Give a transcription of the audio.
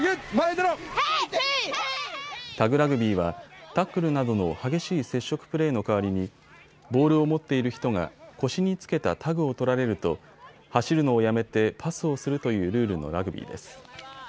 タグラグビーはタックルなどの激しい接触プレーの代わりにボールを持っている人が腰に付けたタグを取られると走るのをやめてパスをするというルールのラグビーです。